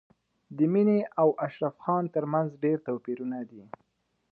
د مينې او اشرف خان تر منځ ډېر توپیرونه دي